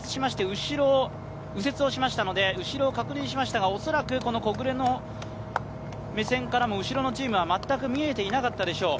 今、右折をしましたので後ろを確認しましたが、恐らく木榑の目線からも後ろのチームは全く見えていなかったでしょう。